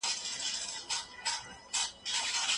شریف د خپل زوی په لایقتیا باندې ډاډه دی.